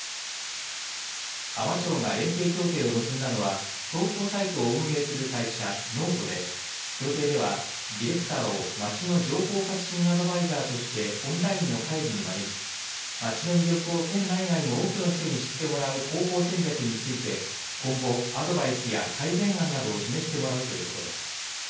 海士町が連携協定を結んだのは投稿サイトを運営する会社ｎｏｔｅで協定ではディレクターを町の情報発信アドバイザーとしてオンラインの会議に招き町の魅力を県内外の多くの人に知ってもらう広報戦略について今後アドバイスや改善案などを示してもらうということです。